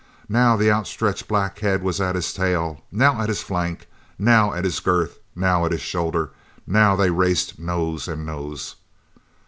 Now the outstretched black head was at his tail, now at his flank, now at his girth, now at his shoulder, now they raced nose and nose.